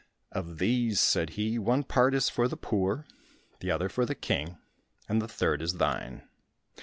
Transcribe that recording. "Of these," said he, "one part is for the poor, the other for the king, the third is thine."